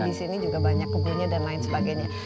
di sini juga banyak kebunnya dan lain sebagainya